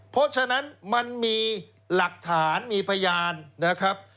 เพราะฉะนั้นมันมีหลักฐานมีพยานนะครับ